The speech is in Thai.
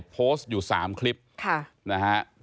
โพสต์อยู่๓คลิปนะฮะ